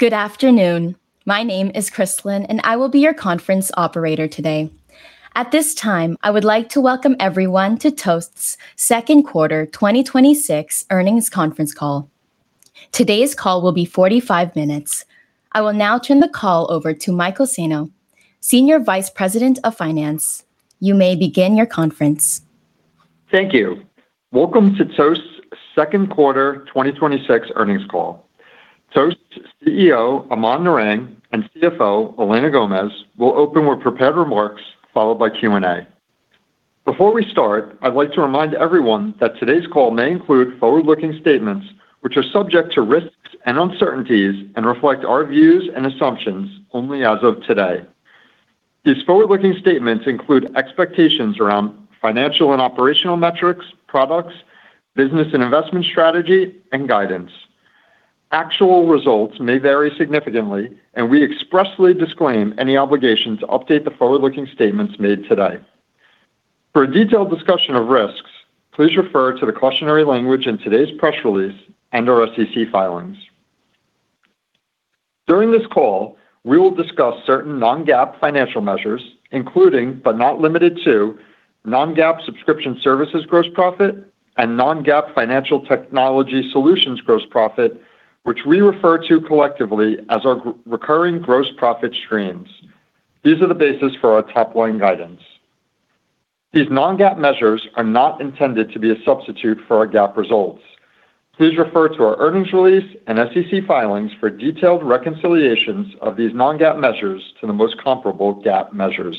Good afternoon. My name is Kristalyn, and I will be your conference operator today. At this time, I would like to welcome everyone to Toast's second quarter 2026 earnings conference call. Today's call will be 45 minutes. I will now turn the call over to Michael Senno, Senior Vice President of Finance. You may begin your conference. Thank you. Welcome to Toast's second quarter 2026 earnings call. Toast's CEO, Aman Narang, and CFO, Elena Gomez, will open with prepared remarks, followed by Q&A. Before we start, I'd like to remind everyone that today's call may include forward-looking statements, which are subject to risks and uncertainties and reflect our views and assumptions only as of today. These forward-looking statements include expectations around financial and operational metrics, products, business and investment strategy, and guidance. Actual results may vary significantly, we expressly disclaim any obligation to update the forward-looking statements made today. For a detailed discussion of risks, please refer to the cautionary language in today's press release and our SEC filings. During this call, we will discuss certain non-GAAP financial measures, including, but not limited to, non-GAAP subscription services gross profit and non-GAAP financial technology solutions gross profit, which we refer to collectively as our recurring gross profit streams. These are the basis for our top-line guidance. These non-GAAP measures are not intended to be a substitute for our GAAP results. Please refer to our earnings release and SEC filings for detailed reconciliations of these non-GAAP measures to the most comparable GAAP measures.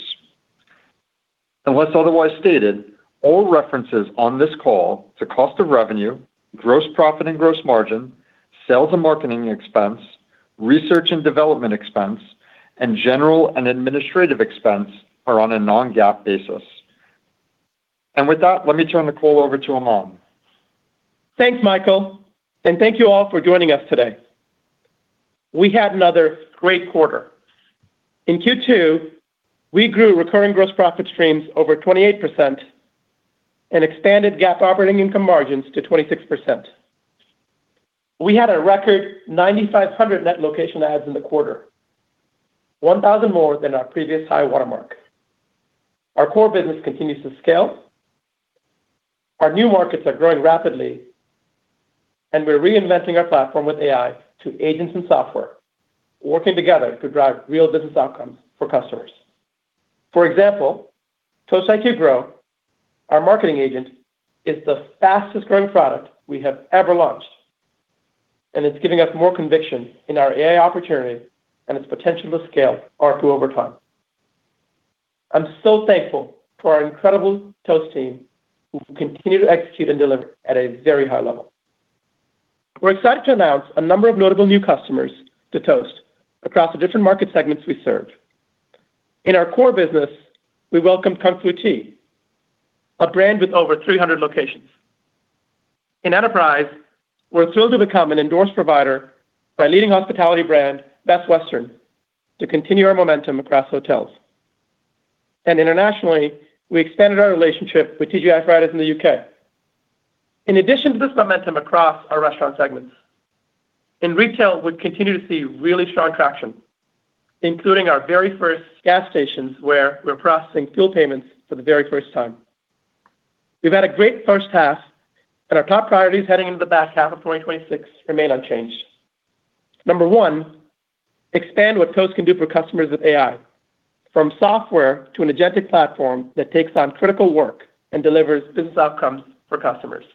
Unless otherwise stated, all references on this call to cost of revenue, gross profit and gross margin, sales and marketing expense, research and development expense, and general and administrative expense are on a non-GAAP basis. With that, let me turn the call over to Aman. Thanks, Michael, thank you all for joining us today. We had another great quarter. In Q2, we grew recurring gross profit streams over 28% and expanded GAAP operating income margins to 26%. We had a record 9,500 net location adds in the quarter, 1,000 more than our previous high watermark. Our core business continues to scale, our new markets are growing rapidly, we're reinventing our platform with AI to agents and software, working together to drive real business outcomes for customers. For example, Toast IQ Grow, our marketing agent, is the fastest-growing product we have ever launched, and it's giving us more conviction in our AI opportunities and its potential to scale ARR over time. I'm so thankful for our incredible Toast team, who continue to execute and deliver at a very high level. We're excited to announce a number of notable new customers to Toast across the different market segments we serve. In our core business, we welcome Kung Fu Tea, a brand with over 300 locations. In enterprise, we're thrilled to become an endorsed provider by leading hospitality brand Best Western to continue our momentum across hotels. Internationally, we expanded our relationship with TGI Fridays in the U.K. In addition to this momentum across our restaurant segments, in retail, we continue to see really strong traction, including our very first gas stations, where we're processing fuel payments for the very first time. We've had a great first half, and our top priorities heading into the back half of 2026 remain unchanged. Number one, expand what Toast can do for customers with AI, from software to an agentic platform that takes on critical work and delivers business outcomes for customers.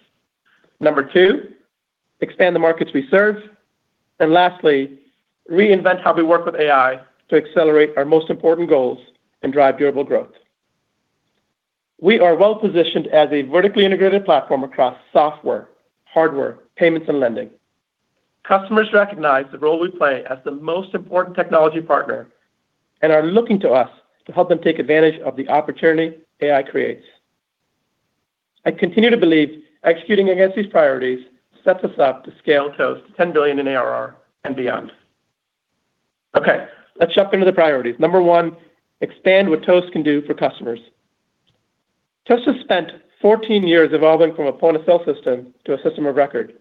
Number two, expand the markets we serve. Lastly, reinvent how we work with AI to accelerate our most important goals and drive durable growth. We are well-positioned as a vertically integrated platform across software, hardware, payments, and lending. Customers recognize the role we play as the most important technology partner and are looking to us to help them take advantage of the opportunity AI creates. I continue to believe executing against these priorities sets us up to scale Toast to $10 billion in ARR and beyond. Okay, let's jump into the priorities. Number one, expand what Toast can do for customers. Toast has spent 14 years evolving from a point-of-sale system to a system of record,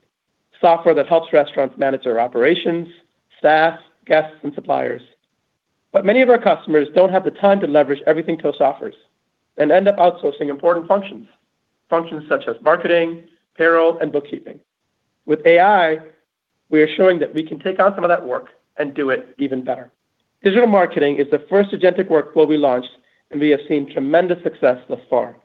software that helps restaurants manage their operations, staff, guests, and suppliers. Many of our customers don't have the time to leverage everything Toast offers and end up outsourcing important functions such as marketing, payroll, and bookkeeping. With AI, we are showing that we can take on some of that work and do it even better. Digital marketing is the first agentic workload we launched, and we have seen tremendous success thus far.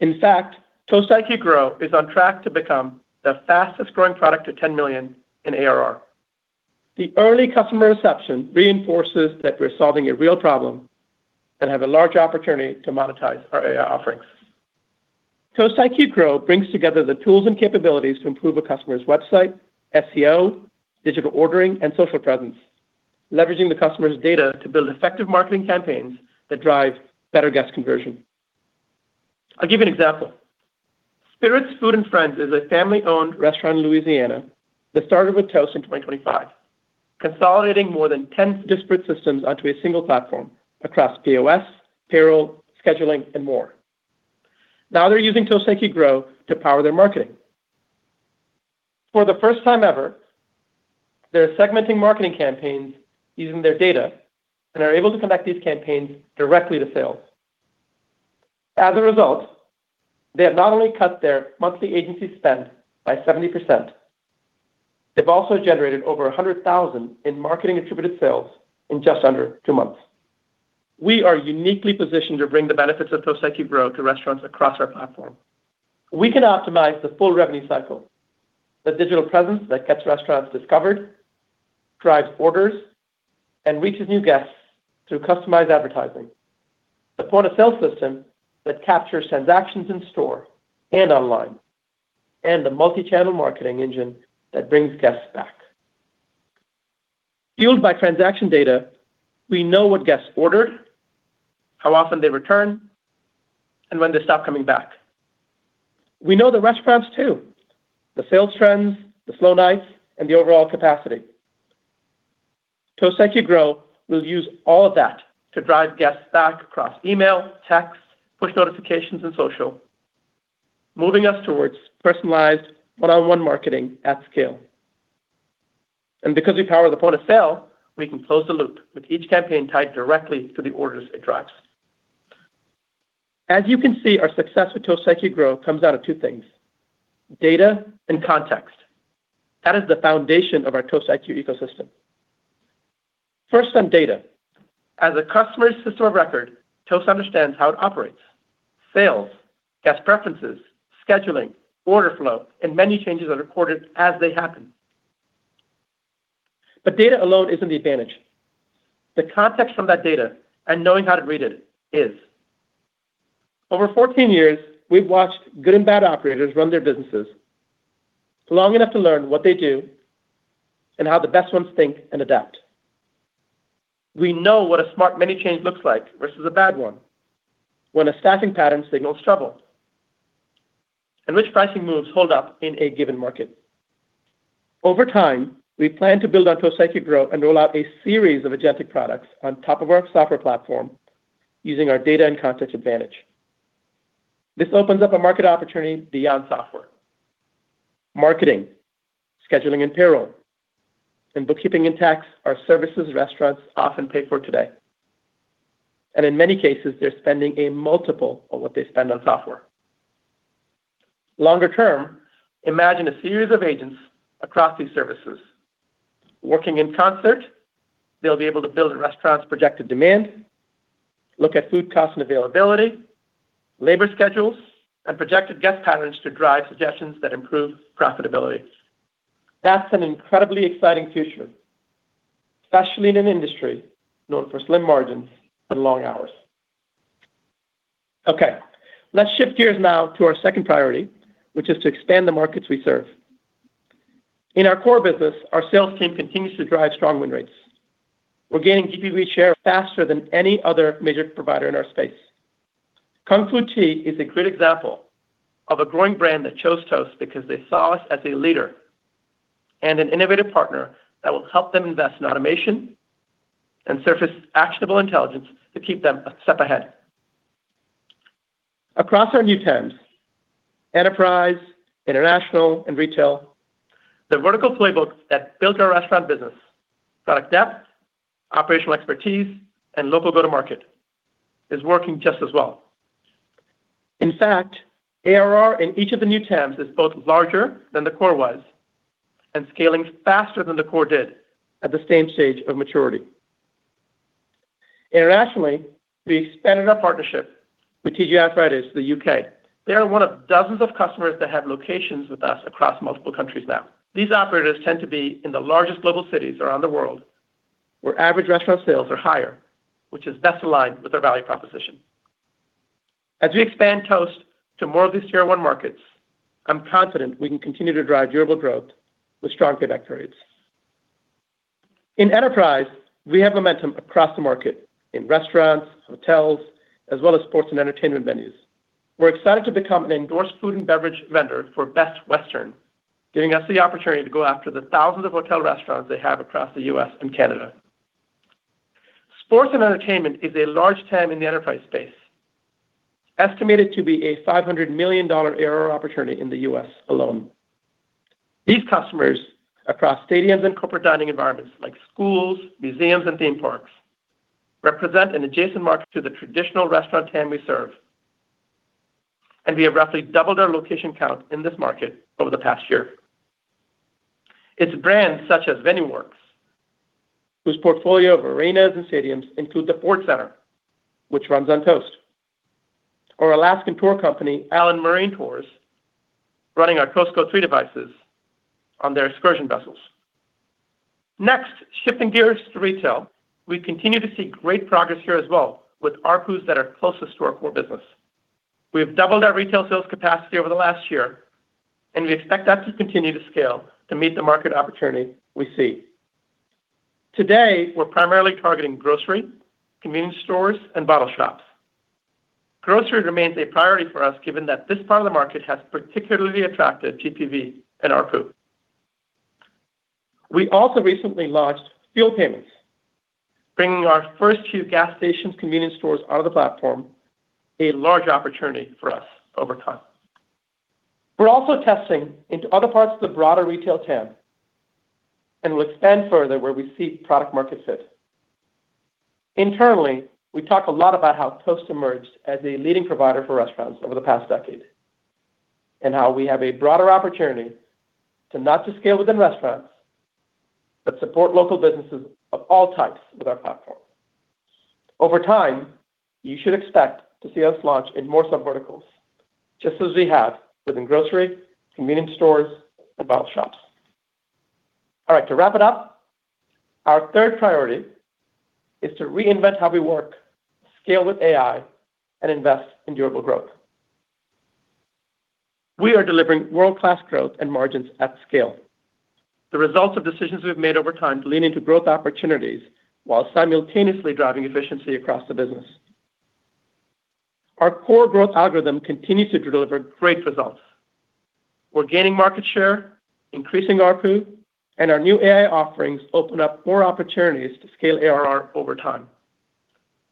In fact, Toast IQ Grow is on track to become the fastest-growing product to $10 million in ARR. The early customer reception reinforces that we're solving a real problem and have a large opportunity to monetize our AI offerings. Toast IQ Grow brings together the tools and capabilities to improve a customer's website, SEO, digital ordering, and social presence, leveraging the customer's data to build effective marketing campaigns that drive better guest conversion. I'll give you an example. Spirits Food & Friends is a family-owned restaurant in Louisiana that started with Toast in 2025, consolidating more than 10 disparate systems onto a single platform across POS, payroll, scheduling, and more. Now they're using Toast IQ Grow to power their marketing. For the first time ever, they're segmenting marketing campaigns using their data and are able to connect these campaigns directly to sales. As a result, they have not only cut their monthly agency spend by 70%, they've also generated over $100,000 in marketing-attributed sales in just under two months. We are uniquely positioned to bring the benefits of Toast IQ Grow to restaurants across our platform. We can optimize the full revenue cycle, the digital presence that gets restaurants discovered, drives orders, and reaches new guests through customized advertising. The point-of-sale system that captures transactions in-store and online, and the multi-channel marketing engine that brings guests back. Fueled by transaction data, we know what guests ordered, how often they return, and when they stop coming back. We know the restaurants too, the sales trends, the slow nights, and the overall capacity. Toast IQ Grow will use all of that to drive guests back across email, text, push notifications, and social, moving us towards personalized, one-on-one marketing at scale. Because we power the point-of-sale, we can close the loop with each campaign tied directly to the orders it drives. As you can see, our success with Toast IQ Grow comes out of two things, data and context. That is the foundation of our Toast IQ ecosystem. First on data. As a customer's system of record, Toast understands how it operates. Sales, guest preferences, scheduling, order flow, and menu changes are recorded as they happen. Data alone isn't the advantage. The context from that data and knowing how to read it is. Over 14 years, we've watched good and bad operators run their businesses long enough to learn what they do and how the best ones think and adapt. We know what a smart menu change looks like versus a bad one. When a staffing pattern signals trouble, and which pricing moves hold up in a given market. Over time, we plan to build on Toast IQ Grow and roll out a series of agentic products on top of our software platform using our data and context advantage. This opens up a market opportunity beyond software. Marketing, scheduling and payroll, and bookkeeping and tax are services restaurants often pay for today. In many cases, they're spending a multiple of what they spend on software. Longer term, imagine a series of agents across these services. Working in concert, they'll be able to build a restaurant's projected demand, look at food cost and availability, labor schedules, and projected guest patterns to drive suggestions that improve profitability. That's an incredibly exciting future, especially in an industry known for slim margins and long hours. Okay. Let's shift gears now to our second priority, which is to expand the markets we serve. In our core business, our sales team continues to drive strong win rates. We're gaining GPV share faster than any other major provider in our space. Kung Fu Tea is a great example of a growing brand that chose Toast because they saw us as a leader and an innovative partner that will help them invest in automation and surface actionable intelligence to keep them a step ahead. Across our new TAMs, enterprise, international, and retail, the vertical playbook that built our restaurant business, product depth, operational expertise, and local go-to-market, is working just as well. In fact, ARR in each of the new TAMs is both larger than the core was and scaling faster than the core did at the same stage of maturity. Internationally, we expanded our partnership with TGI Fridays, the U.K. They are one of dozens of customers that have locations with us across multiple countries now. These operators tend to be in the largest global cities around the world, where average restaurant sales are higher, which is best aligned with our value proposition. As we expand Toast to more of these Tier 1 markets, I'm confident we can continue to drive durable growth with strong payback periods. In enterprise, we have momentum across the market in restaurants, hotels, as well as sports and entertainment venues. We're excited to become an endorsed food and beverage vendor for Best Western, giving us the opportunity to go after the thousands of hotel restaurants they have across the U.S. and Canada. Sports and entertainment is a large TAM in the enterprise space, estimated to be a $500 million ARR opportunity in the U.S. alone. These customers across stadiums and corporate dining environments like schools, museums, and theme parks, represent an adjacent market to the traditional restaurant TAM we serve, and we have roughly doubled our location count in this market over the past year. It's brands such as VenuWorks, whose portfolio of arenas and stadiums include the Ford Center, which runs on Toast, or Alaskan tour company, Allen Marine Tours, running our Toast Go three devices on their excursion vessels. Shifting gears to retail. We continue to see great progress here as well with ARPU that are closest to our core business. We have doubled our retail sales capacity over the last year, and we expect that to continue to scale to meet the market opportunity we see. Today, we're primarily targeting grocery, convenience stores, and bottle shops. Grocery remains a priority for us given that this part of the market has particularly attractive GPV and ARPU. We also recently launched fuel payments, bringing our first few gas stations convenience stores onto the platform, a large opportunity for us over time. We're also testing into other parts of the broader retail TAM, and will expand further where we see product market fit. Internally, we talk a lot about how Toast emerged as a leading provider for restaurants over the past decade, and how we have a broader opportunity to not just scale within restaurants, but support local businesses of all types with our platform. Over time, you should expect to see us launch in more sub-verticals, just as we have within grocery, convenience stores, and bottle shops. To wrap it up, our third priority is to reinvent how we work, scale with AI, and invest in durable growth. We are delivering world-class growth and margins at scale. The results of decisions we've made over time to lean into growth opportunities while simultaneously driving efficiency across the business. Our core growth algorithm continues to deliver great results. We're gaining market share, increasing ARPU, and our new AI offerings open up more opportunities to scale ARR over time.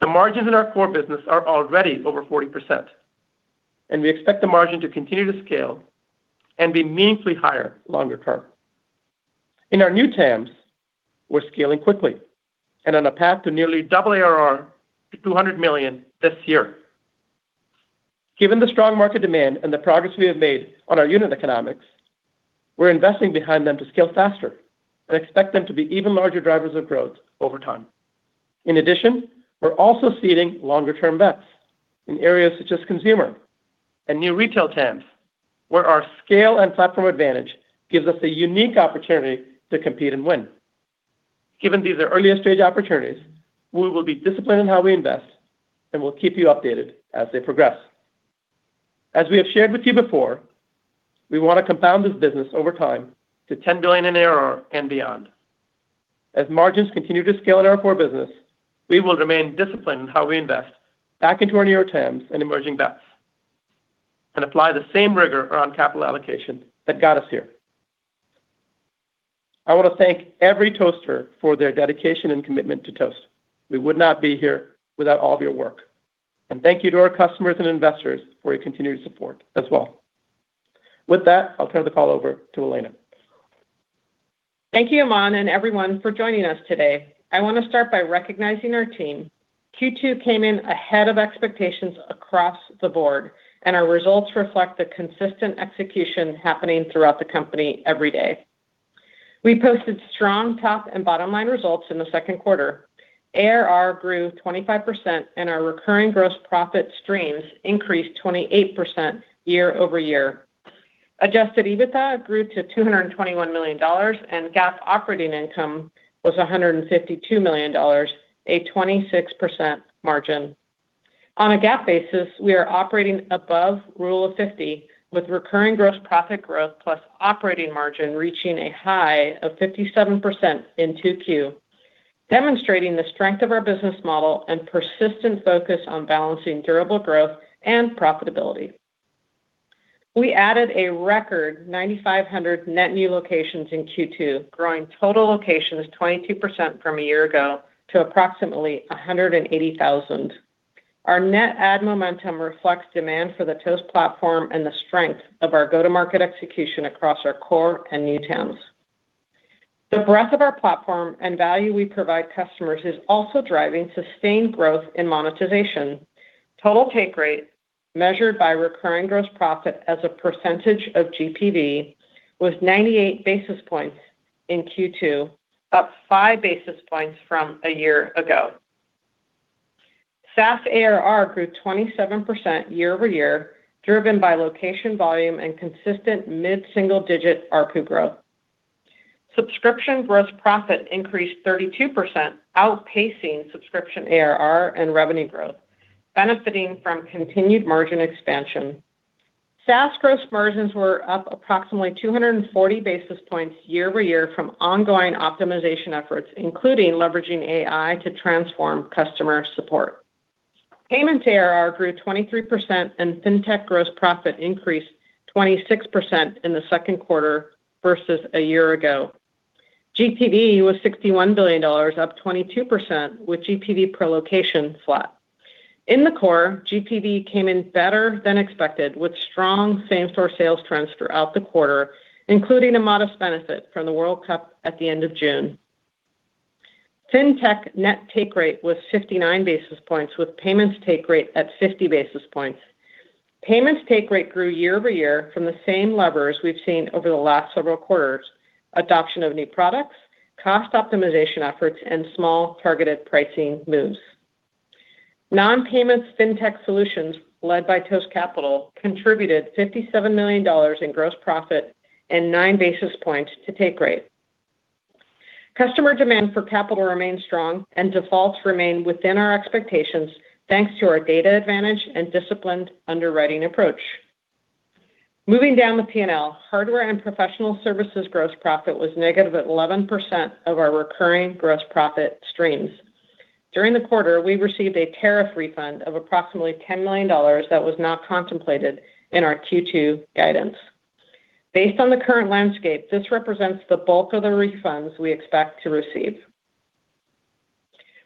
The margins in our core business are already over 40%, and we expect the margin to continue to scale and be meaningfully higher longer-term. In our new TAMs, we're scaling quickly, and on a path to nearly double ARR to $200 million this year. Given the strong market demand and the progress we have made on our unit economics, we're investing behind them to scale faster and expect them to be even larger drivers of growth over time. In addition, we're also seeding longer-term bets in areas such as consumer and new retail TAMs, where our scale and platform advantage gives us a unique opportunity to compete and win. Given these are earlier-stage opportunities, we will be disciplined in how we invest and will keep you updated as they progress. As we have shared with you before, we want to compound this business over time to $10 billion in ARR and beyond. As margins continue to scale in our core business, we will remain disciplined in how we invest back into our newer TAMs and emerging bets, and apply the same rigor around capital allocation that got us here. I want to thank every Toaster for their dedication and commitment to Toast. We would not be here without all of your work. Thank you to our customers and investors for your continued support as well. With that, I'll turn the call over to Elena. Thank you, Aman, and everyone for joining us today. I want to start by recognizing our team. Q2 came in ahead of expectations across the board, and our results reflect the consistent execution happening throughout the company every day. We posted strong top and bottom-line results in the second quarter. ARR grew 25%, and our recurring gross profit streams increased 28% year-over-year. Adjusted EBITDA grew to $221 million, and GAAP operating income was $152 million, a 26% margin. On a GAAP basis, we are operating above rule of 50 with recurring gross profit growth plus operating margin reaching a high of 57% in Q2, demonstrating the strength of our business model and persistent focus on balancing durable growth and profitability. We added a record 9,500 net new locations in Q2, growing total locations 22% from a year ago to approximately 180,000. Our net add momentum reflects demand for the Toast platform and the strength of our go-to-market execution across our core and new TAMs. The breadth of our platform and value we provide customers is also driving sustained growth in monetization. Total take rate, measured by recurring gross profit as a percentage of GPV, was 98 basis points in Q2, up five basis points from a year ago. SaaS ARR grew 27% year-over-year, driven by location volume and consistent mid-single-digit ARPU growth. Subscription gross profit increased 32%, outpacing subscription ARR and revenue growth, benefiting from continued margin expansion. SaaS gross margins were up approximately 240 basis points year-over-year from ongoing optimization efforts, including leveraging AI to transform customer support. Payments ARR grew 23%, and fintech gross profit increased 26% in the second quarter versus a year ago. GPV was $61 billion, up 22%, with GPV per location flat. In the core, GPV came in better than expected, with strong same-store sales trends throughout the quarter, including a modest benefit from the World Cup at the end of June. Fintech net take rate was 59 basis points, with payments take rate at 50 basis points. Payments take rate grew year-over-year from the same levers we've seen over the last several quarters: adoption of new products, cost optimization efforts, and small targeted pricing moves. Non-payments fintech solutions, led by Toast Capital, contributed $57 million in gross profit and nine basis points to take rate. Customer demand for capital remains strong, and defaults remain within our expectations, thanks to our data advantage and disciplined underwriting approach. Moving down the P&L, hardware and professional services gross profit was negative 11% of our recurring gross profit streams. During the quarter, we received a tariff refund of approximately $10 million that was not contemplated in our Q2 guidance. Based on the current landscape, this represents the bulk of the refunds we expect to receive.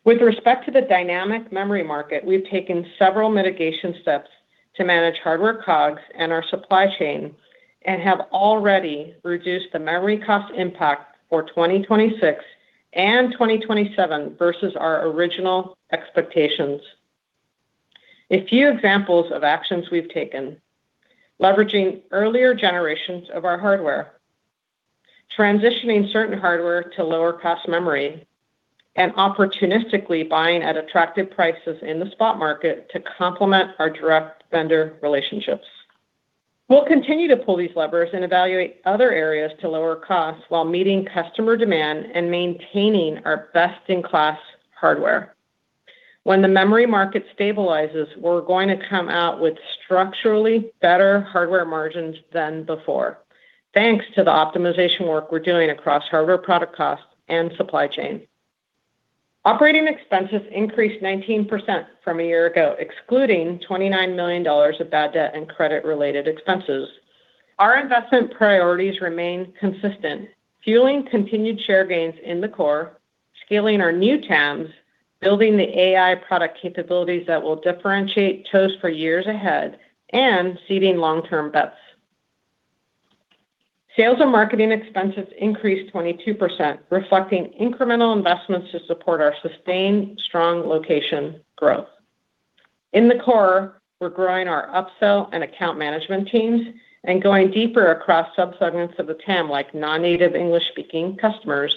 With respect to the dynamic memory market, we've taken several mitigation steps to manage hardware COGS and our supply chain and have already reduced the memory cost impact for 2026 and 2027 versus our original expectations. A few examples of actions we've taken. Leveraging earlier generations of our hardware, transitioning certain hardware to lower-cost memory, and opportunistically buying at attractive prices in the spot market to complement our direct vendor relationships. We'll continue to pull these levers and evaluate other areas to lower costs while meeting customer demand and maintaining our best-in-class hardware. When the memory market stabilizes, we're going to come out with structurally better hardware margins than before, thanks to the optimization work we're doing across hardware product costs and supply chain. Operating expenses increased 19% from a year ago, excluding $29 million of bad debt and credit-related expenses. Our investment priorities remain consistent, fueling continued share gains in the core, scaling our new TAMs, building the AI product capabilities that will differentiate Toast for years ahead, and seeding long-term bets. Sales and marketing expenses increased 22%, reflecting incremental investments to support our sustained strong location growth. In the core, we're growing our upsell and account management teams and going deeper across sub-segments of the TAM like non-native English-speaking customers.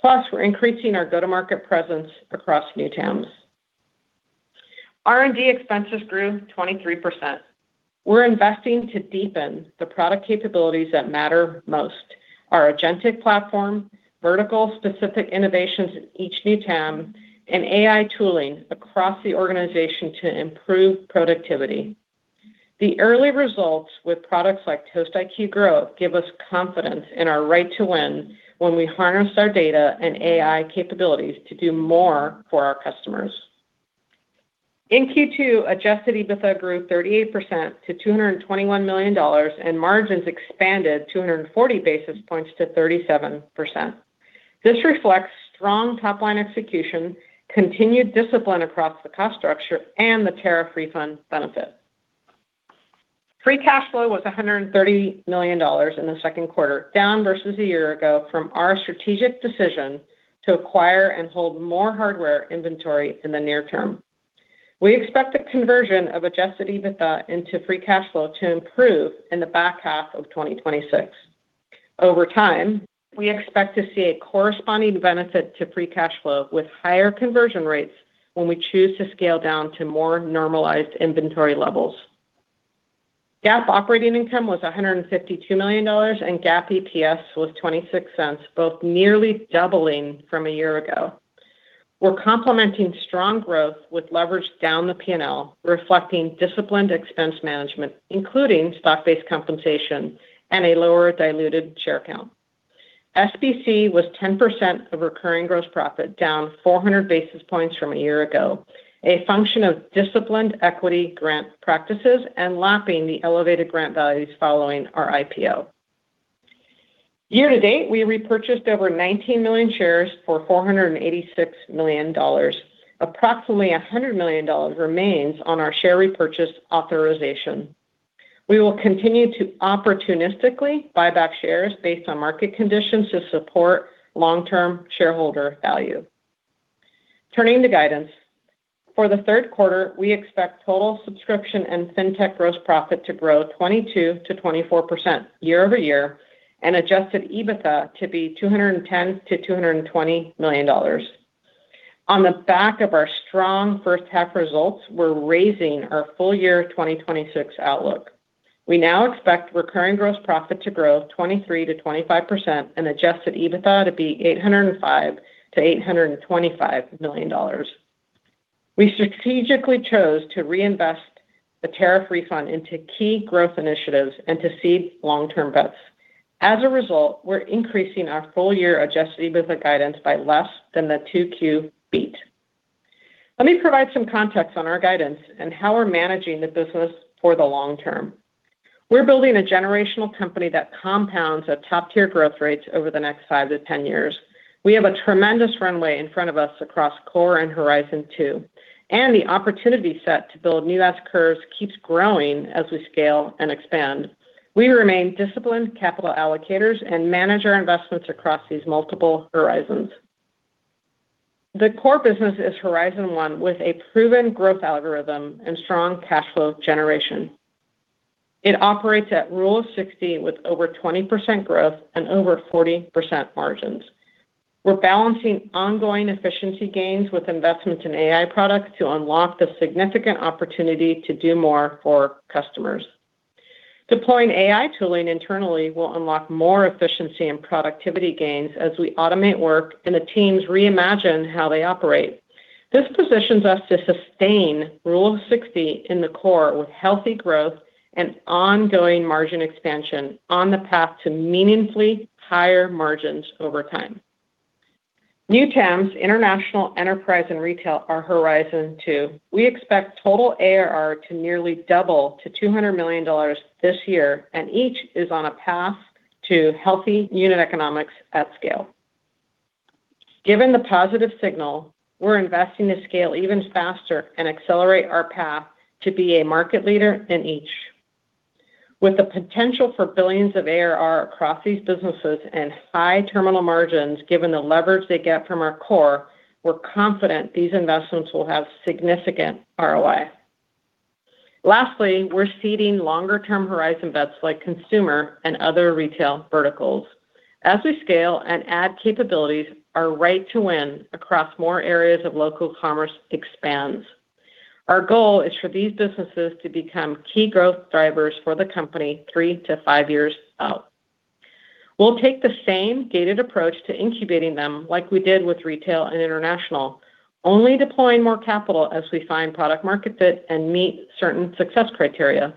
Plus, we're increasing our go-to-market presence across new TAMs. R&D expenses grew 23%. We're investing to deepen the product capabilities that matter most. Our agentic platform, vertical-specific innovations in each new TAM, and AI tooling across the organization to improve productivity. The early results with products like Toast IQ Grow give us confidence in our right to win when we harness our data and AI capabilities to do more for our customers. In Q2, adjusted EBITDA grew 38% to $221 million, and margins expanded 240 basis points to 37%. This reflects strong top-line execution, continued discipline across the cost structure, and the tariff refund benefit. Free cash flow was $130 million in the second quarter, down versus a year ago from our strategic decision to acquire and hold more hardware inventory in the near term. We expect the conversion of adjusted EBITDA into free cash flow to improve in the back half of 2026. Over time, we expect to see a corresponding benefit to free cash flow with higher conversion rates when we choose to scale down to more normalized inventory levels. GAAP operating income was $152 million, and GAAP EPS was $0.26, both nearly doubling from a year ago. We're complementing strong growth with leverage down the P&L, reflecting disciplined expense management, including stock-based compensation and a lower diluted share count. SBC was 10% of recurring gross profit, down 400 basis points from a year ago, a function of disciplined equity grant practices and lapping the elevated grant values following our IPO. Year to date, we repurchased over 19 million shares for $486 million. Approximately $100 million remains on our share repurchase authorization. We will continue to opportunistically buy back shares based on market conditions to support long-term shareholder value. Turning to guidance. For the third quarter, we expect total subscription and fintech gross profit to grow 22%-24% year-over-year, and adjusted EBITDA to be $210 million to $220 million. On the back of our strong first half results, we're raising our full-year 2026 outlook. We now expect recurring gross profit to grow 23%-25% and adjusted EBITDA to be $805 million to $825 million. We strategically chose to reinvest the tariff refund into key growth initiatives and to seed long-term bets. As a result, we're increasing our full-year adjusted EBITDA guidance by less than the 2Q beat. Let me provide some context on our guidance and how we're managing the business for the long term. We're building a generational company that compounds at top-tier growth rates over the next five to 10 years. We have a tremendous runway in front of us across core and Horizon Two, the opportunity set to build new S-curves keeps growing as we scale and expand. We remain disciplined capital allocators and manage our investments across these multiple horizons. The core business is Horizon One with a proven growth algorithm and strong cash flow generation. It operates at Rule of 60 with over 20% growth and over 40% margins. We're balancing ongoing efficiency gains with investments in AI products to unlock the significant opportunity to do more for customers. Deploying AI tooling internally will unlock more efficiency and productivity gains as we automate work and the teams reimagine how they operate. This positions us to sustain Rule of 60 in the core with healthy growth An ongoing margin expansion on the path to meaningfully higher margins over time. New TAMs, international enterprise and retail are Horizon Two. We expect total ARR to nearly double to $200 million this year, each is on a path to healthy unit economics at scale. Given the positive signal, we're investing the scale even faster and accelerate our path to be a market leader in each. With the potential for billions of ARR across these businesses and high terminal margins, given the leverage they get from our core, we're confident these investments will have significant ROI. Lastly, we're seeding longer-term horizon bets like consumer and other retail verticals. As we scale and add capabilities, our right to win across more areas of local commerce expands. Our goal is for these businesses to become key growth drivers for the company three to five years out. We'll take the same gated approach to incubating them like we did with retail and international, only deploying more capital as we find product-market fit and meet certain success criteria.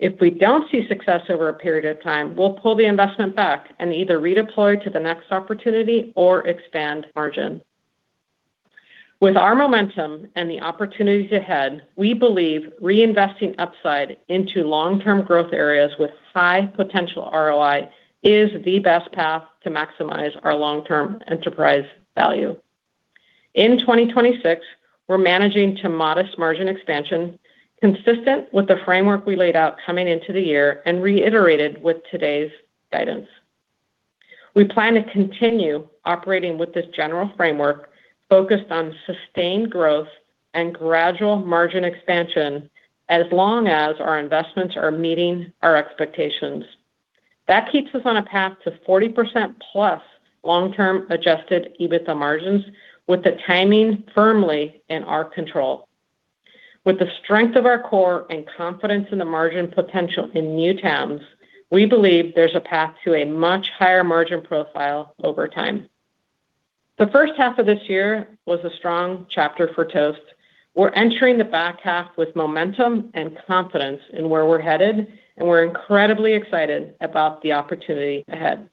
If we don't see success over a period of time, we'll pull the investment back and either redeploy to the next opportunity or expand margin. With our momentum and the opportunities ahead, we believe reinvesting upside into long-term growth areas with high potential ROI is the best path to maximize our long-term enterprise value. In 2026, we're managing to modest margin expansion consistent with the framework we laid out coming into the year and reiterated with today's guidance. We plan to continue operating with this general framework focused on sustained growth and gradual margin expansion as long as our investments are meeting our expectations. That keeps us on a path to 40%+ long-term adjusted EBITDA margins with the timing firmly in our control. With the strength of our core and confidence in the margin potential in new TAMs, we believe there's a path to a much higher margin profile over time. The first half of this year was a strong chapter for Toast. We're entering the back half with momentum and confidence in where we're headed, and we're incredibly excited about the opportunity ahead.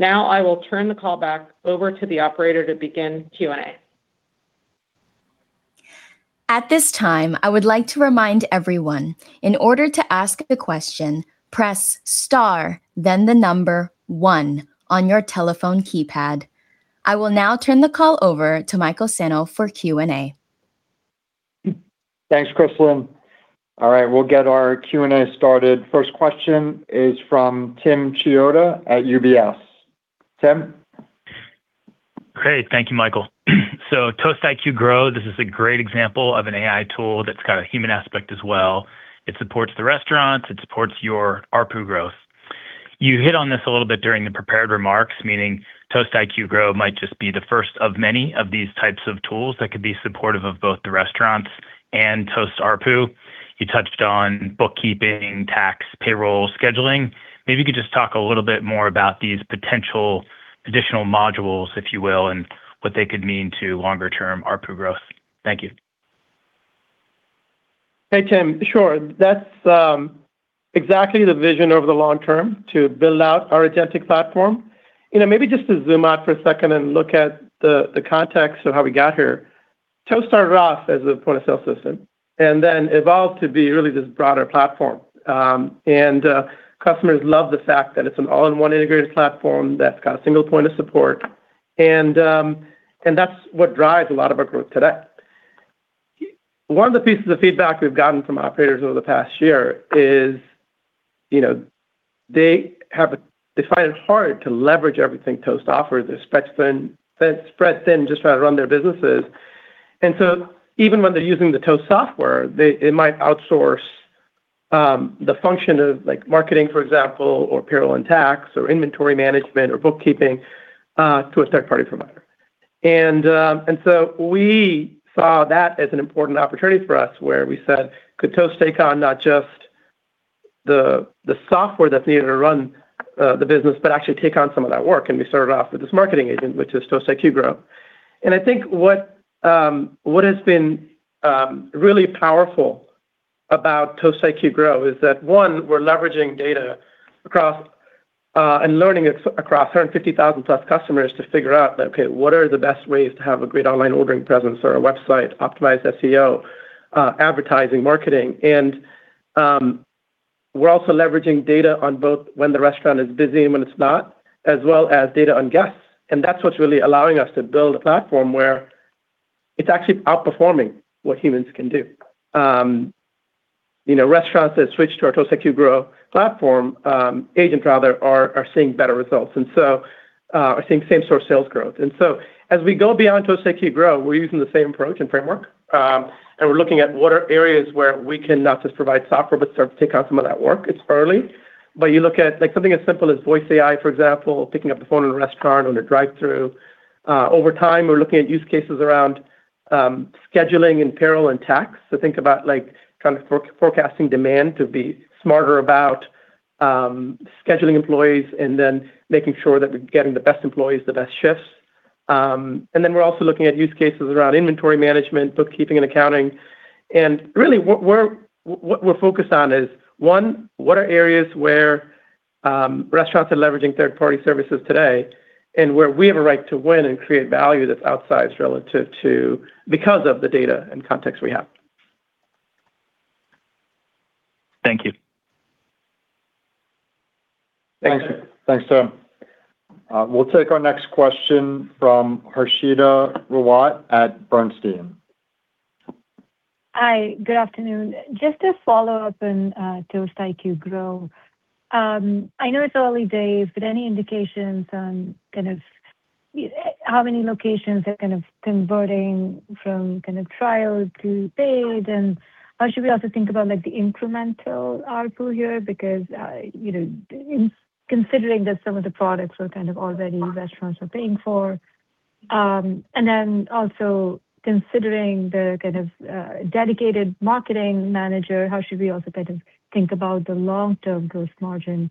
I will turn the call back over to the operator to begin Q&A. At this time, I would like to remind everyone, in order to ask a question, press star, then the number one on your telephone keypad. I will turn the call over to Michael Senno for Q&A. Thanks, Kristalyn. All right. We'll get our Q&A started. First question is from Tim Chiodo at UBS. Tim. Great. Thank you, Michael. Toast IQ Grow, this is a great example of an AI tool that's got a human aspect as well. It supports the restaurants. It supports your ARPU growth. You hit on this a little bit during the prepared remarks, meaning Toast IQ Grow might just be the first of many of these types of tools that could be supportive of both the restaurants and Toast ARPU. You touched on bookkeeping, tax, payroll, scheduling. Maybe you could just talk a little bit more about these potential additional modules, if you will, and what they could mean to longer-term ARPU growth. Thank you. Hey, Tim. That's exactly the vision over the long term to build out our authentic platform. Maybe just to zoom out for a second and look at the context of how we got here. Toast started off as a point-of-sale system, then evolved to be really this broader platform. Customers love the fact that it's an all-in-one integrated platform that's got a single point of support, and that's what drives a lot of our growth today. One of the pieces of feedback we've gotten from operators over the past year is they find it hard to leverage everything Toast offers. They're spread thin just trying to run their businesses. Even when they're using the Toast software, it might outsource the function of marketing, for example, or payroll and tax, or inventory management, or bookkeeping to a third-party provider. We saw that as an important opportunity for us where we said, could Toast take on not just the software that's needed to run the business, but actually take on some of that work? We started off with this marketing agent, which is Toast IQ Grow. I think what has been really powerful about Toast IQ Grow is that, one, we're leveraging data across, and learning across 150,000 plus customers to figure out that, okay, what are the best ways to have a great online ordering presence or a website, optimized SEO, advertising, marketing? We're also leveraging data on both when the restaurant is busy and when it's not, as well as data on guests. That's what's really allowing us to build a platform where it's actually outperforming what humans can do. Restaurants that switch to our Toast IQ Grow platform, agent rather, are seeing better results. Are seeing same-store sales growth. As we go beyond Toast IQ Grow, we're using the same approach and framework, and we're looking at what are areas where we can not just provide software, but start to take on some of that work. It's early, but you look at something as simple as voice AI, for example, picking up the phone in a restaurant on a drive-thru. Over time, we're looking at use cases around scheduling and payroll and tax. Think about kind of forecasting demand to be smarter about scheduling employees and then making sure that we're getting the best employees the best shifts. We're also looking at use cases around inventory management, bookkeeping, and accounting. Really what we're focused on is, one, what are areas where restaurants are leveraging third-party services today, and where we have a right to win and create value that's outsized relative to because of the data and context we have. Thank you. Thanks, Tim. We'll take our next question from Harshita Rawat at Bernstein. Hi, good afternoon. Just a follow-up on Toast IQ Grow. I know it's early days, but any indications on kind of how many locations are kind of converting from kind of trial to paid? How should we also think about like the incremental ARPU here because, in considering that some of the products are kind of already restaurants are paying for. Then also considering the kind of dedicated marketing manager, how should we also kind of think about the long-term growth margin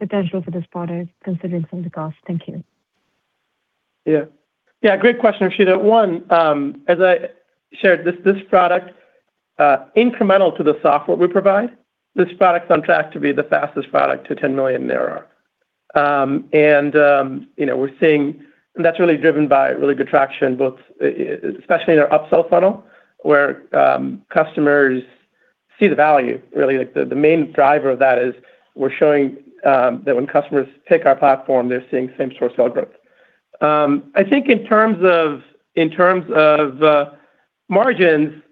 potential for this product considering from the cost? Thank you. Yeah. Great question, Harshita. One, as I shared, this product, incremental to the software we provide, this product's on track to be the fastest product to $10 million ARR. We're seeing that's really driven by really good traction, both especially in our upsell funnel where customers see the value really. Like the main driver of that is we're showing that when customers pick our platform, they're seeing same store sale growth. I think in terms of margins,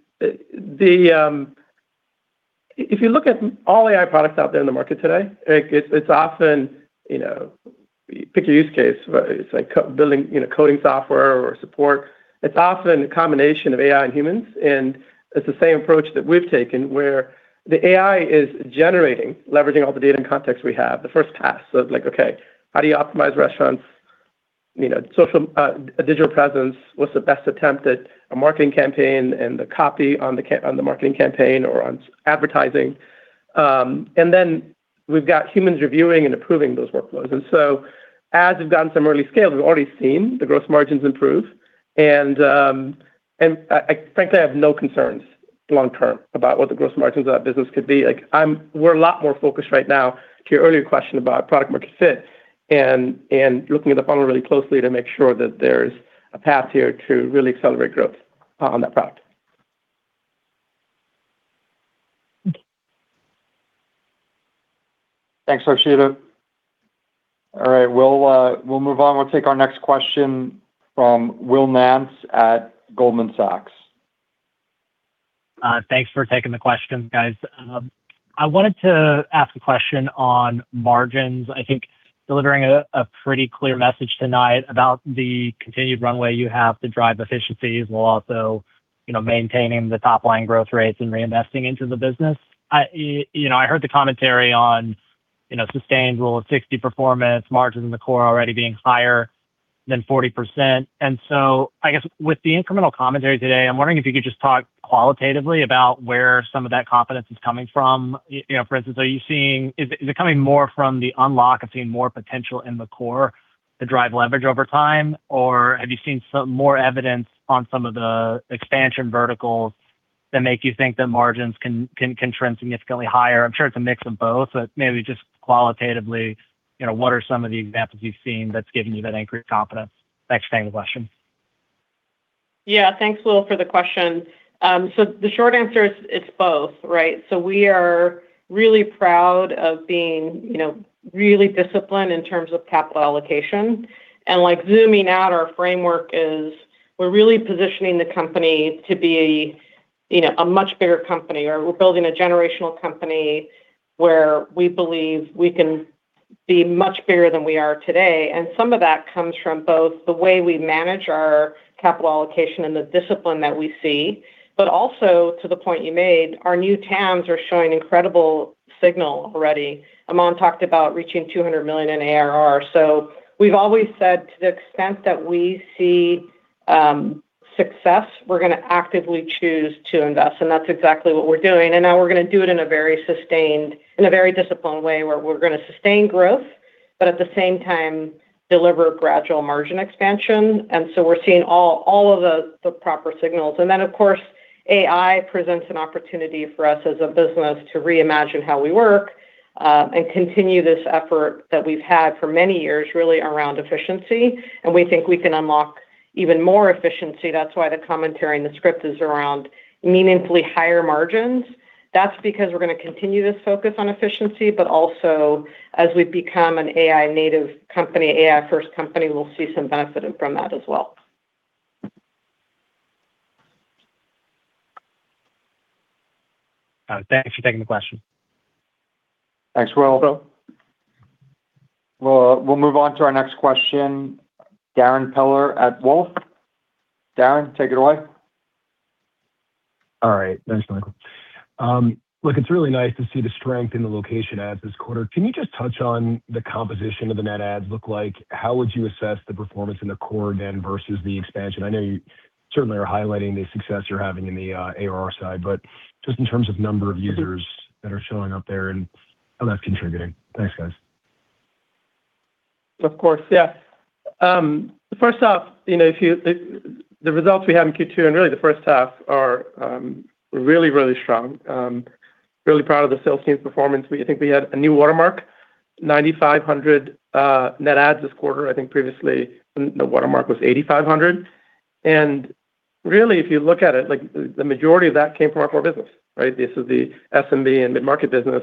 if you look at all AI products out there in the market today, it's often pick your use case. It's like building coding software or support. It's often a combination of AI and humans, and it's the same approach that we've taken where the AI is generating, leveraging all the data and context we have, the first pass. It's like, okay, how do you optimize restaurants' social, digital presence? What's the best attempt at a marketing campaign and the copy on the marketing campaign or on advertising? We've got humans reviewing and approving those workflows. As we've gotten some early scales, we've already seen the gross margins improve. Frankly, I have no concerns long term about what the gross margins of that business could be. We're a lot more focused right now to your earlier question about product market fit and looking at the funnel really closely to make sure that there's a path here to really accelerate growth on that product. Okay. Thanks, Harshita. All right. We'll move on. We'll take our next question from Will Nance at Goldman Sachs. Thanks for taking the questions, guys. I wanted to ask a question on margins. I think delivering a pretty clear message tonight about the continued runway you have to drive efficiencies while also maintaining the top-line growth rates and reinvesting into the business. I heard the commentary on sustainable of 60% performance margins in the core already being higher than 40%. I guess with the incremental commentary today, I'm wondering if you could just talk qualitatively about where some of that confidence is coming from. For instance, is it coming more from the unlock of seeing more potential in the core to drive leverage over time, or have you seen some more evidence on some of the expansion verticals that make you think the margins can trend significantly higher? I'm sure it's a mix of both, but maybe just qualitatively, what are some of the examples you've seen that's given you that anchored confidence? Thanks for taking the question. Thanks, Will, for the question. The short answer is it is both, right? We are really proud of being really disciplined in terms of capital allocation. Zooming out, our framework is we are really positioning the company to be a much bigger company, or we are building a generational company where we believe we can be much bigger than we are today. Some of that comes from both the way we manage our capital allocation and the discipline that we see. Also to the point you made, our new TAMs are showing incredible signal already. Aman talked about reaching $200 million in ARR. We have always said to the extent that we see success, we are going to actively choose to invest, and that is exactly what we are doing. Now we are going to do it in a very sustained, in a very disciplined way, where we are going to sustain growth, but at the same time, deliver gradual margin expansion. We are seeing all of the proper signals. Of course, AI presents an opportunity for us as a business to reimagine how we work, and continue this effort that we have had for many years, really around efficiency. We think we can unlock even more efficiency. That is why the commentary and the script is around meaningfully higher margins. That is because we are going to continue this focus on efficiency, but also as we become an AI native company, AI first company, we will see some benefit from that as well. Thanks for taking the question. Thanks, Will. We will move on to our next question. Darrin Peller at Wolfe. Darrin, take it away. All right. Thanks, Michael. Look, it's really nice to see the strength in the location adds this quarter. Can you just touch on the composition of the net adds look like? How would you assess the performance in the core then versus the expansion? I know you certainly are highlighting the success you're having in the ARR side, but just in terms of number of users that are showing up there, and how that's contributing. Thanks, guys. Of course. First off, the results we had in Q2 and really the first half are really, really strong. I'm really proud of the sales team's performance. I think we had a new watermark, 9,500 net adds this quarter. I think previously the watermark was 8,500. Really, if you look at it, the majority of that came from our core business, right? This is the SMB and mid-market business.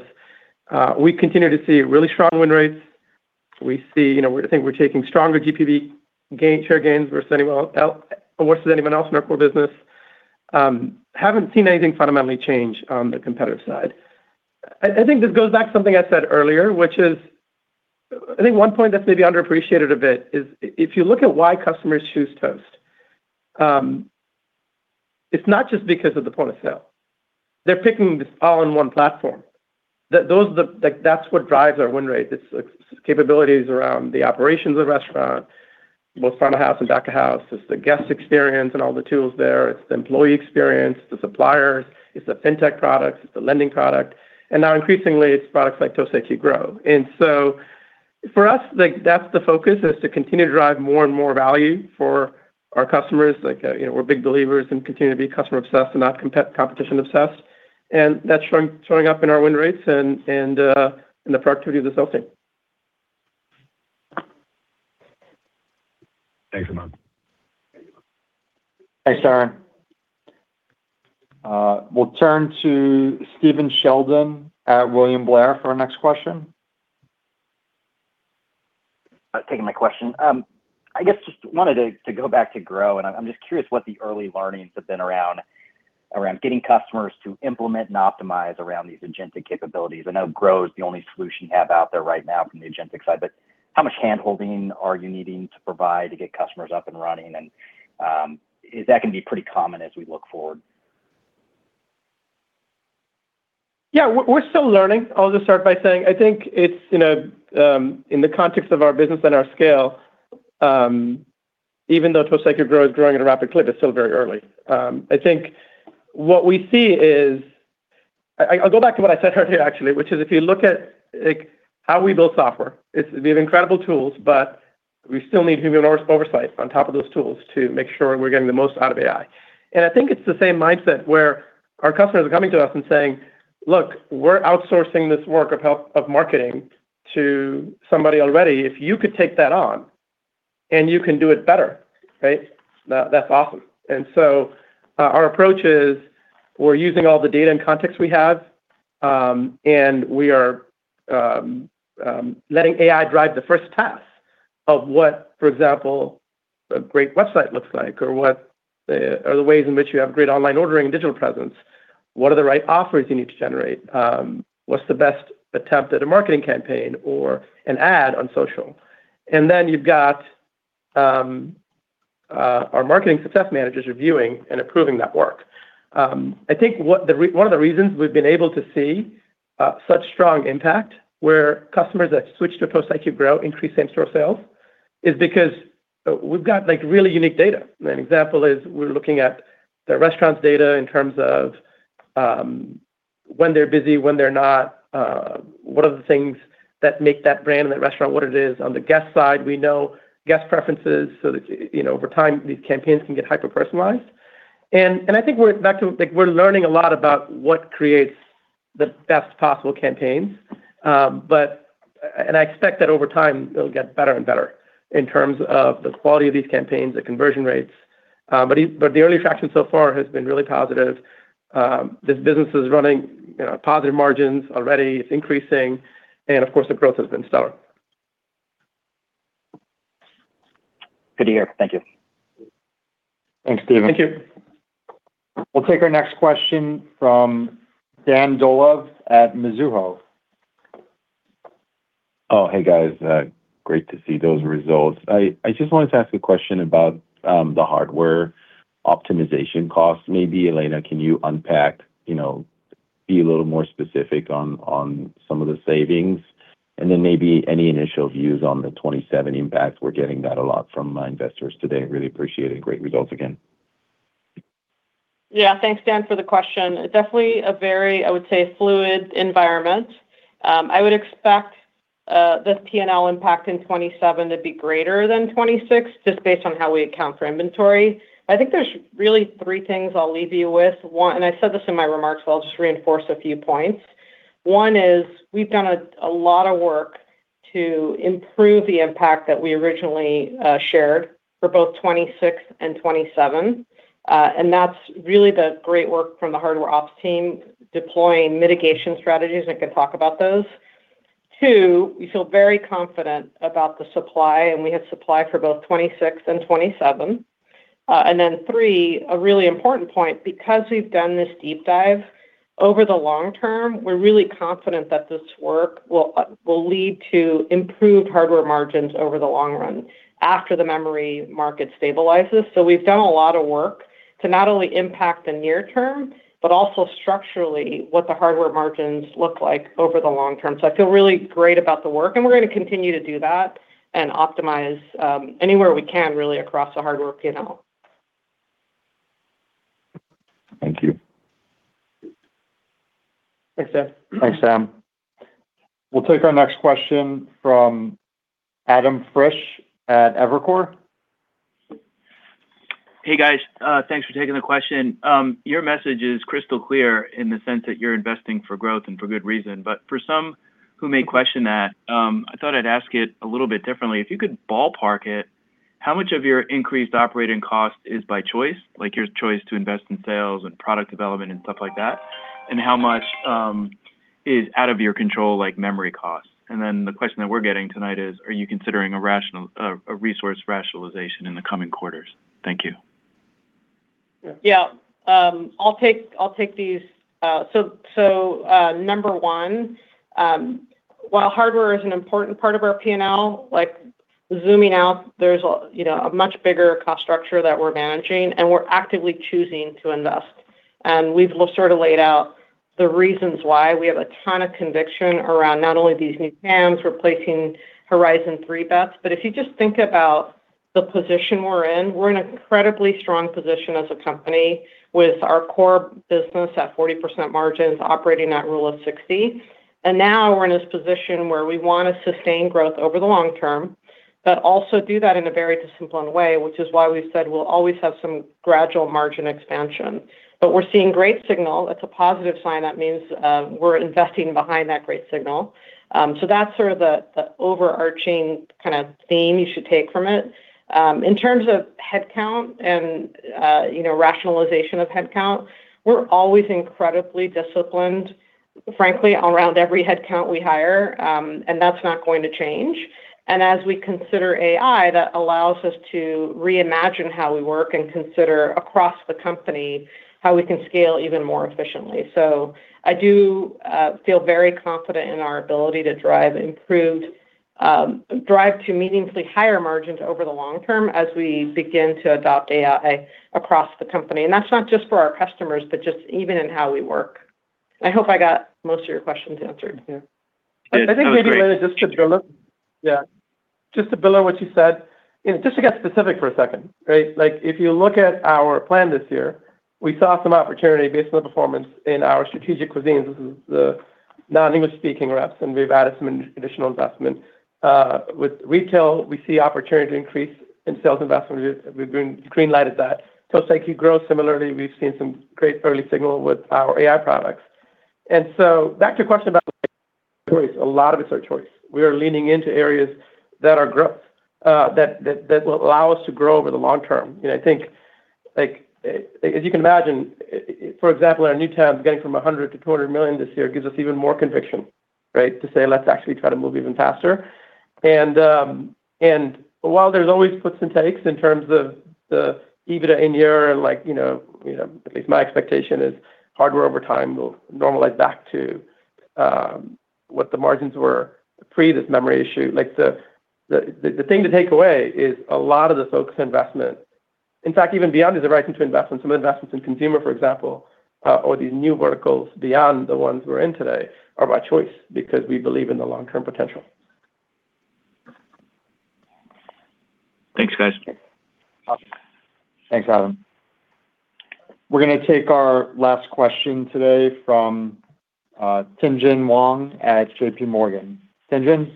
We continue to see really strong win rates. We think we're taking stronger GPV share gains versus anyone else in our core business. Haven't seen anything fundamentally change on the competitive side. I think this goes back to something I said earlier, which is, I think one point that's maybe underappreciated a bit is if you look at why customers choose Toast, it's not just because of the point of sale. They're picking this all-in-one platform. That's what drives our win rate. It's the capabilities around the operations of the restaurant, both front of house and back of house. It's the guest experience and all the tools there. It's the employee experience, the suppliers. It's the fintech products. It's the lending product. Now increasingly, it's products like Toast IQ Grow. For us, that's the focus, is to continue to drive more and more value for our customers. We're big believers in continuing to be customer-obsessed and not competition-obsessed. That's showing up in our win rates and in the productivity of the sales team. Thanks, Aman. Thanks, Darrin. We'll turn to Stephen Sheldon at William Blair for our next question. Thanks for taking my question. I guess just wanted to go back to Grow. I'm just curious what the early learnings have been around getting customers to implement and optimize around these agentic capabilities. I know Grow is the only solution you have out there right now from the agentic side. How much hand-holding are you needing to provide to get customers up and running, and is that going to be pretty common as we look forward? Yeah. We're still learning. I'll just start by saying, I think it's in the context of our business and our scale, even though Toast IQ Grow is growing at a rapid clip, it's still very early. I think what we see is. I'll go back to what I said earlier actually, which is if you look at how we build software, we have incredible tools. We still need human oversight on top of those tools to make sure we're getting the most out of AI. I think it's the same mindset where our customers are coming to us and saying, "Look, we're outsourcing this work of marketing to somebody already. If you could take that on, and you can do it better, that's awesome." Our approach is we're using all the data and context we have, and we are letting AI drive the first pass of what, for example, a great website looks like, or what are the ways in which you have great online ordering and digital presence. What are the right offers you need to generate? What's the best attempt at a marketing campaign or an ad on social? Then you've got our marketing success managers reviewing and approving that work. I think one of the reasons we've been able to see such strong impact where customers that switch to Toast IQ Grow increase same-store sales is because we've got really unique data. An example is we're looking at the restaurant's data in terms of when they're busy, when they're not, what are the things that make that brand and that restaurant what it is. On the guest side, we know guest preferences, so that over time, these campaigns can get hyper-personalized. I think we're back to we're learning a lot about what creates the best possible campaigns. I expect that over time, it'll get better and better in terms of the quality of these campaigns, the conversion rates. The early traction so far has been really positive. This business is running positive margins already. It's increasing, and of course, the growth has been stellar. Good to hear. Thank you. Thanks, Stephen. Thank you. We'll take our next question from Dan Dolev at Mizuho. Hey, guys. Great to see those results. I just wanted to ask a question about the hardware optimization costs maybe. Elena, can you unpack, be a little more specific on some of the savings? Maybe any initial views on the 2027 impact. We're getting that a lot from investors today. Really appreciate it. Great results again. Yeah. Thanks, Dan, for the question. Definitely a very, I would say, fluid environment. I would expect this P&L impact in 2027 to be greater than 2026, just based on how we account for inventory. I think there's really three things I'll leave you with. I said this in my remarks, but I'll just reinforce a few points. One is we've done a lot of work to improve the impact that we originally shared for both 2026 and 2027. That's really the great work from the hardware ops team deploying mitigation strategies, and I can talk about those. Two, we feel very confident about the supply, and we have supply for both 2026 and 2027. Three, a really important point, because we've done this deep dive, over the long term, we're really confident that this work will lead to improved hardware margins over the long run, after the memory market stabilizes. We've done a lot of work to not only impact the near term, but also structurally what the hardware margins look like over the long term. I feel really great about the work, and we're going to continue to do that and optimize anywhere we can really across the hardware P&L. Thank you. Thanks, Dan. Thanks, Dan. We'll take our next question from Adam Frisch at Evercore. Hey, guys. Thanks for taking the question. Your message is crystal clear in the sense that you're investing for growth and for good reason. For some who may question that, I thought I'd ask it a little bit differently. If you could ballpark it, how much of your increased operating cost is by choice, like your choice to invest in sales and product development and stuff like that, and how much is out of your control, like memory costs? The question that we're getting tonight is, are you considering a resource rationalization in the coming quarters? Thank you. Yeah. I'll take these. Number one, while hardware is an important part of our P&L, zooming out, there's a much bigger cost structure that we're managing, and we're actively choosing to invest. We've sort of laid out the reasons why. We have a ton of conviction around not only these new TAMs replacing Horizon three bets, if you just think about the position we're in, we're in an incredibly strong position as a company with our core business at 40% margins operating at rule of 60. Now we're in this position where we want to sustain growth over the long term, but also do that in a very disciplined way, which is why we've said we'll always have some gradual margin expansion. We're seeing great signal. That's a positive sign. That means we're investing behind that great signal. That's sort of the overarching kind of theme you should take from it. In terms of headcount and rationalization of headcount, we're always incredibly disciplined, frankly, around every headcount we hire, and that's not going to change. As we consider AI, that allows us to reimagine how we work and consider across the company how we can scale even more efficiently. I do feel very confident in our ability to drive to meaningfully higher margins over the long term as we begin to adopt AI across the company. That's not just for our customers, but just even in how we work. I hope I got most of your questions answered. Yeah. I think maybe, just to build on what you said, just to get specific for a second, if you look at our plan this year, we saw some opportunity based on the performance in our strategic cuisines. This is the non-English speaking reps, and we've added some additional investment. With retail, we see opportunity to increase in sales investment. We've green lighted that. Toast IQ Grow, similarly, we've seen some great early signal with our AI products. Back to your question about choice, a lot of it's our choice. We are leaning into areas that will allow us to grow over the long term. I think as you can imagine, for example, our new TAMs going from $100 million to $200 million this year gives us even more conviction to say, "Let's actually try to move even faster." And while there is always puts and takes in terms of the EBITDA in year, at least my expectation is hardware over time will normalize back to what the margins were pre this memory issue. The thing to take away is a lot of the focused investment, in fact, even beyond is the right thing to invest in. Some investments in consumer, for example, or these new verticals beyond the ones we are in today are by choice because we believe in the long-term potential. Thanks, guys. Awesome. Thanks, Adam. We are going to take our last question today from Tien-tsin Huang at JPMorgan. Tien-tsin?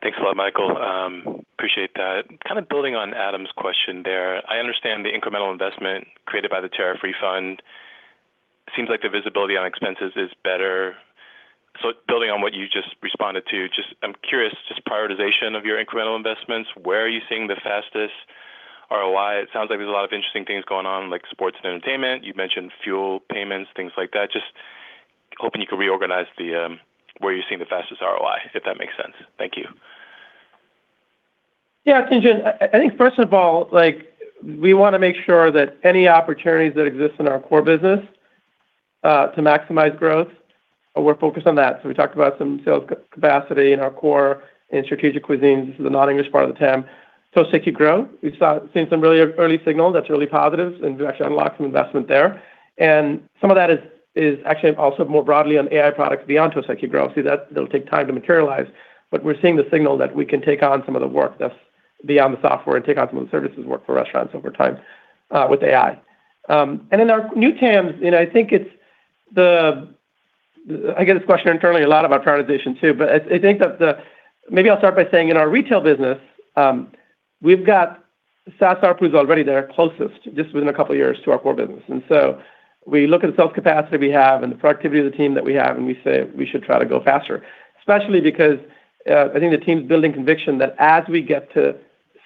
Thanks a lot, Michael. Appreciate that. Kind of building on Adam's question there. I understand the incremental investment created by the tariff refund. Seems like the visibility on expenses is better. Building on what you just responded to, I am curious, just prioritization of your incremental investments, where are you seeing the fastest ROI? It sounds like there is a lot of interesting things going on like sports and entertainment. You mentioned fuel payments, things like that. Just hoping you could reorganize where you are seeing the fastest ROI, if that makes sense. Thank you. Tien-tsin, I think first of all, we want to make sure that any opportunities that exist in our core business to maximize growth, we're focused on that. We talked about some sales capacity in our core in strategic cuisines. This is the non-English part of the TAM. Toast IQ Grow, we've seen some really early signals that's really positive, and to actually unlock some investment there. Some of that is actually also more broadly on AI products beyond Toast IQ Grow. Obviously, that'll take time to materialize, but we're seeing the signal that we can take on some of the work that's beyond the software and take on some of the services work for restaurants over time with AI. In our new TAMs, I get this question internally a lot about prioritization too. Maybe I'll start by saying in our retail business, we've got SaaS ARPU is already there closest, just within a couple of years to our core business. We look at the sales capacity we have and the productivity of the team that we have, and we say we should try to go faster, especially because I think the team's building conviction that as we get to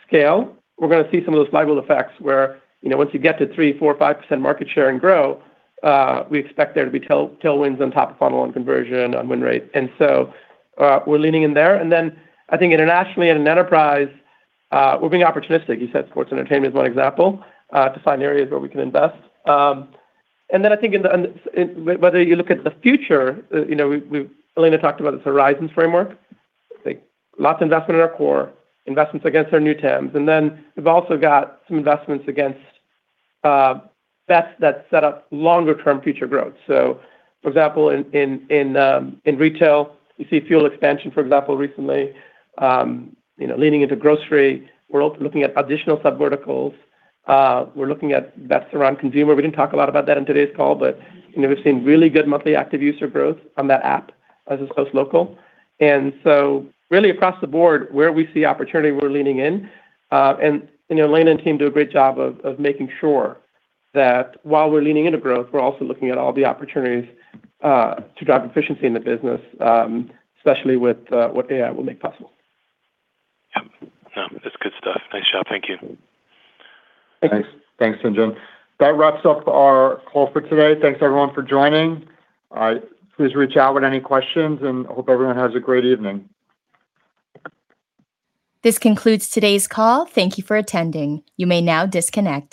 scale, we're going to see some of those flywheel effects where once you get to 3, 4, 5% market share and grow, we expect there to be tailwinds on top of funnel, on conversion, on win rate. We're leaning in there. Then I think internationally in an enterprise, we're being opportunistic. You said sports entertainment is one example to find areas where we can invest. Then I think whether you look at the future, Elena talked about this horizons framework, lots of investment in our core, investments against our new TAMs. Then we've also got some investments against bets that set up longer term future growth. For example, in retail, you see fuel expansion, for example, recently leaning into grocery. We're also looking at additional subverticals. We're looking at bets around consumer. We didn't talk a lot about that in today's call, but we've seen really good monthly active user growth on that app as is Toast Local. Really across the board where we see opportunity, we're leaning in. Elena and team do a great job of making sure that while we're leaning into growth, we're also looking at all the opportunities to drive efficiency in the business, especially with what AI will make possible. Yep. No, that's good stuff. Nice job. Thank you. Thank you. Thanks, Tien-tsin. That wraps up our call for today. Thanks everyone for joining. Please reach out with any questions, and hope everyone has a great evening. This concludes today's call. Thank you for attending. You may now disconnect.